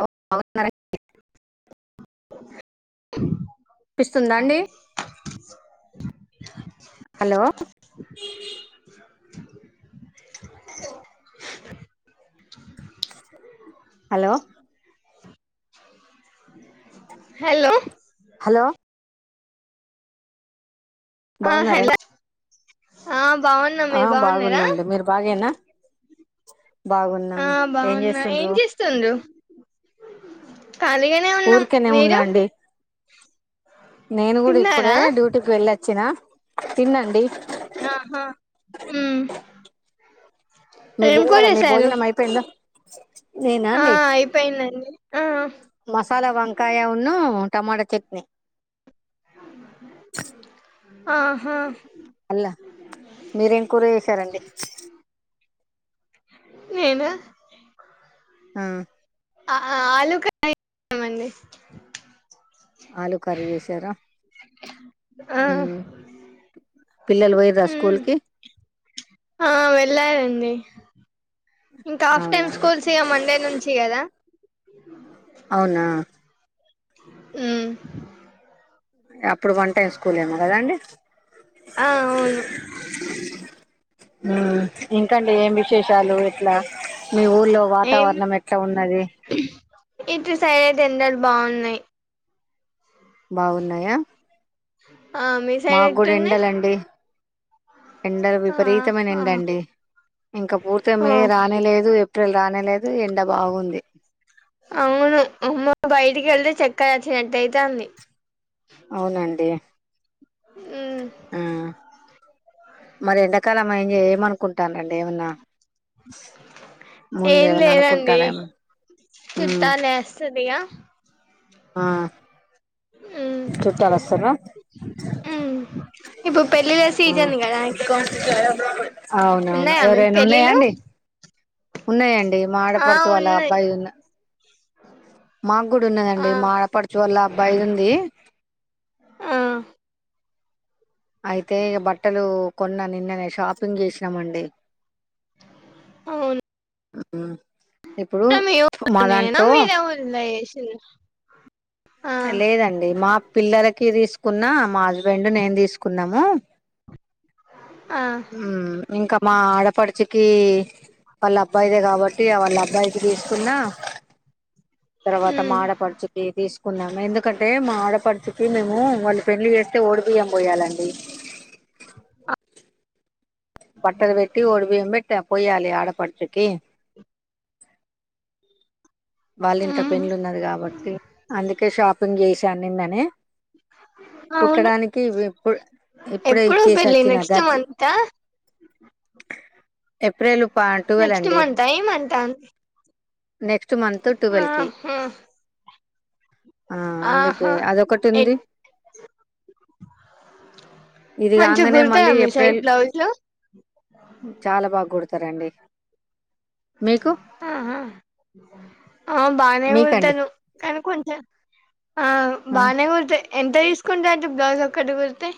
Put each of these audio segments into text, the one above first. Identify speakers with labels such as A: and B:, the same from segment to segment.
A: అర
B: [inaudible]
A: వినిపిస్తుందా అండి
B: అ
A: హలో
B: [inaudible]
A: హలో
B: హలో
A: హలో
B: ఆ
A: బాగున్నారండి
B: హలా ఆ బాగున్న
A: ఆ
B: మీరు బాగున్నారా
A: బాగున్నా అండి మీరు బాగేనా బాగున్నాం
B: ఆ బాగున్నా ఏం
A: చేస్తుండ్రు
B: చేస్తుండ్ర ఖాళీగానే ఉన్నాం
A: ఊరికేనే ఉన్నా
B: మీరు
A: అండి నేను కూడా ఇప్పుడే
B: తిన్నారా
A: డ్యూటీకి వెళ్ళొచ్చిన తిన్నండి
B: ఆహా ఉమ్
A: మీరు
B: ఏం కూర
A: వెళ్లారా మీ
B: చేసారు
A: భోజనం అయిపోయిందా నేనా
B: ఆ
A: అండి
B: అయిపోయిందండి ఆ
A: మసాలా వంకాయ ఉన్న టమాట చట్నీ
B: ఆహా
A: అల్లా మీరేం కూర చేసారండి
B: నేను
A: ఆ
B: ఆ ఆలుకా [unintelligible] అండి
A: ఆలు కర్రీ చేసారా
B: ఆ
A: ఉమ్ పిల్లలు పోయింరా
B: ఉమ్
A: స్కూల్ కి
B: ఆ వెళ్లారండి ఇంకా హాఫ్ టైమ్
A: అవునా
B: స్కూల్స్ ఇగా మండే నుంచి కదా
A: అవునా
B: ఉమ్
A: అప్పుడు వన్ టైమ్ స్కూల్ ఏమో కదండి
B: ఆ అవును
A: ఉమ్ ఇంకండి ఏం విశేషాలు ఇట్లా మీ ఊర్లో
B: ఏం
A: వాతావరణం ఎట్లా ఉన్నది
B: ఇటు సైడ్ అయితే ఎండలు బాగున్నాయి
A: బాగున్నాయా
B: ఆ మీ సైడ్
A: మాకు కూడా
B: ఎట్టున్నాయి
A: ఎండాలండి ఎండలు విపరీతమైనా
B: ఆహా
A: ఎండ అండి ఇంకా పూర్తిగా
B: ఆ
A: మే రానేలేదు ఏప్రిల్ రానేలేదు ఎండ బాగుంది
B: ఇంటికెళ్తే చక్కర వచ్చినట్టు అయితంది
A: అవునండి
B: ఉమ్
A: ఆ మరి ఎండాకాలం అయింది ఏమనుకుంటానండి ఏమన్నా ముందు
B: ఏం
A: ఏమన్నా
B: లేదండి
A: అనుకుంటారేమో ఉమ్
B: చుట్టా లేేస్తుంది ఇగా
A: ఆ
B: ఉమ్
A: చుట్టాలు వస్తారా
B: ఉమ్ ఇప్పుడు పెళ్ళిళ్ళ
A: ఉ
B: సీజన్ కదా ఎక్కువ
A: అవునవును
B: ఉన్నాయా మీకు
A: ఎవరైనా ఉన్నాయా
B: పెళ్ళిళ్ళు
A: అండి ఉనయం డీ మా
B: ఆ
A: ఆడపాడుచు వల్లా
B: ఉన్నాయి
A: అబ్బాయి మాకు కుడా
B: ఆ
A: ఉన్నదండి మాడపడుచు వల్ల అబ్బాయిది ఉంది
B: ఆ
A: అయితే ఇక బట్టలు కొన్నా నిన్ననే షాపింగ్ చేసినామండి
B: అవును
A: ఆ ఇప్పుడు
B: మీ
A: మా
B: ఊర్లోనేనా
A: దాంట్లో
B: వేరే ఊర్లో చేసిండ్రా ఆ
A: లేదండి మా పిల్లలకి తీసుకు న్నా మా హస్బెండ్ నేను తీసుకు కున్నాము
B: ఆ
A: మ్ ఇంకా మా ఆడపడు చ్చకి పలా అబ్బాయిధే కాబట్టి వాళ అబ్బాయికి మున్నా తర్వాత మా
B: ఉమ్
A: ఆడపడుచుకి తీసుకున్నాము ఎందుకంటే మా ఆడపడుచుకి మేము వాళ్ళు పెళ్లి చేస్తే ఓడుము బియ్యం పోయాలండి అ బట్టల్ పెట్టి ఓడిబియ్యం పోయ్యాలి ఆడ పడుచుకి వాళ్ళ ఇంట
B: ఉమ్
A: పెళ్లు ఉన్నది కాబట్టి అందుకే షాపింగ్ చేసి అన్నిందని
B: అవును
A: కుట్టడానికిప్పు ఇప్పుడ ఇప్పుడే
B: ఎప్పుడు
A: ఇచ్చేసి
B: పెళ్ళి
A: వచ్చిన
B: నెక్స్ట్
A: దర్జ
B: మంతా
A: ఏప్రిల్ టువెల్
B: నెక్స్ట్
A: అండి
B: మంతా ఈ మంతా
A: నెక్స్ట్ ట్ మంత్ ట్వల్ కి
B: ఆహా
A: అందుకే
B: ఆహా
A: అదిొ ఒకటి
B: ఎ
A: ఉంది ఇది
B: మంచిగా
A: కాంగానే
B: కుడతారా
A: మళ్ళీ
B: మీ సైడ్
A: ఏప్రిల్
B: బ్లౌజులు
A: చాలా బాగు సరండి
B: ఆ ఆ ఆ బానే
A: మీకండి
B: వండుతాను కానీ కొంచెం ఆ
A: ఆ,
B: బానే కూరతే ఎంత తీసుకుంటండు బ్లౌజ్ ఒక్కటి గుడితే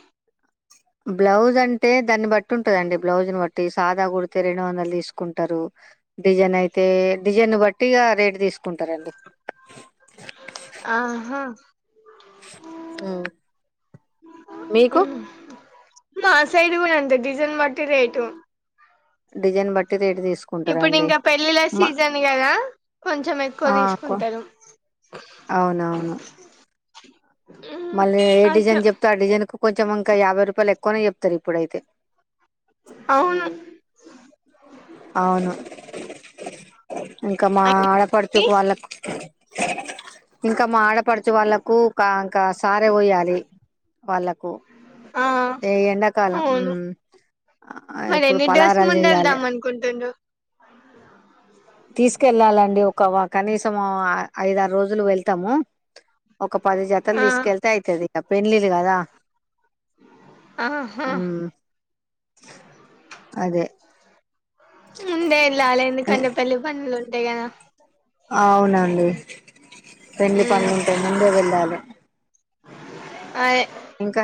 A: బ్లౌజ్ అంటే దాన్ని బట్టి ఉంటదండి బ్లౌజ్ను బట్టి సాదా కుడితే రెండు వందలు తీసుకుంటారు డిజైన్ అయితే డిజైన్ బట్టిగా రేటు తీసుకుంటారండి
B: ఆహా
A: మీకు
B: ఉమ్. మా ఆ సైడ్ కూడా అంతే డిజైన్ బట్టి రేటు
A: డిజైన్ బట్టి రేట్ తీ
B: ఇప్పుడు ఇంకా పెళ్ళిళ్ళ సీజన్ కదా కొంచెం ఎక్కువ
A: ఆ కొ-
B: తీసుకుంటారు
A: అవునవును
B: ఉమ్,
A: మళ్ళీ ఏ
B: అట్లా
A: డిజైన్ చెప్తే ఆ డిజైన్ కు కొంచం ఇంకా యాభై రూపాయలు ఎ కొని చెప్తారు ఇప్పుడైతే
B: అవును
A: అవును ఇంకా మా ఆడపడుచు వాళ్ళకు ఇంకా మాడపడుచు వాళ్ళకు క క సారె పోయాలి వాళ్ళకు
B: ఆ
A: ఏ ఎండాకాలం ఉం
B: అవును మరి
A: ఎప్పుడు
B: ఎన్ని డ్రెస్
A: పలారాలు చెయ్యాలే
B: ముందెళ్దాం అనుకుంటుండ్రు
A: తీసుకెళ్ళాలండి ఒక కనీసం ఐదారు రోజులు వెళ్తాము ఒక పది జతలు
B: ఆ
A: తీసుకెళ్తే అయితది పెండ్లిలు కాదా
B: ఆహా
A: అదే
B: ముందే ఎల్లలే ఎందుకంటే పెళ్లి పనులు ఉంటై కదా
A: అవునండి పెండ్లి
B: ఉమ్
A: పనులుంటే ముందే వెళ్ళాలే
B: అదే
A: ఇంకా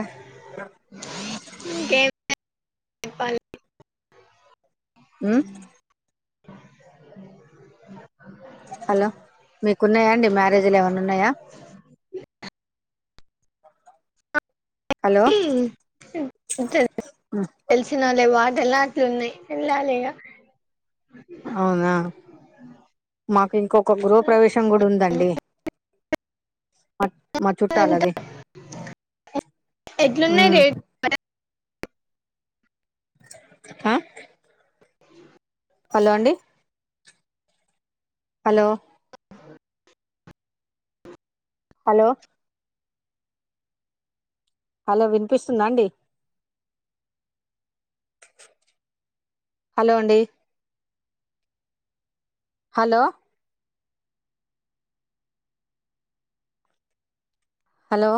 B: చెప్పాలే
A: ఉమ్ హాలో మీకున్నాయండి మ్యారేజ్ లు ఎమన్నా ఉన్నాయా హలో
B: తెలిసినోళ్లే వార్డెన్ లాక్కుంది ఎళ్ల లిగా
A: అవునా మాకు ఇంకొక గృహ ప్రవేశం కూడా ఉందండి అ మా చుట్టలది ఉం
B: ఎట్లున్నాయి రేట్
A: అ హలో అండి హలో హలో అలో వినిపిస్తుందా అండి హలో అండి హలో హలో